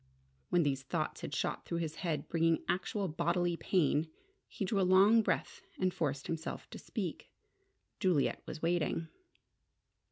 When these thoughts had shot through his head, bringing actual bodily pain, he drew a long breath, and forced himself to speak. Juliet was waiting!